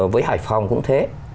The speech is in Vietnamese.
với hải phòng cũng thế